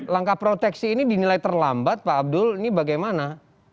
langkah proteksi ini dinilai terlambat pak abdul ini bagaimana